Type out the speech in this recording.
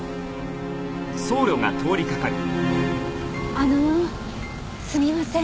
あのすみません。